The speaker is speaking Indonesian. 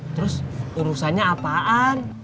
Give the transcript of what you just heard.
terus urusannya apaan